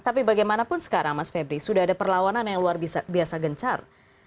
tapi bagaimanapun sekarang mas febri sudah ada perlawanan yang luar biasa gencar